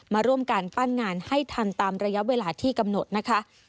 มาร่วมการปั้นงานให้ทันตามระยะเวลาที่กำหนดนะคะ